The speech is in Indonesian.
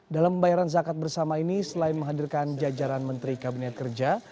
dalam pembayaran zakat bersama ini selain menghadirkan jajaran menteri kabinet kerja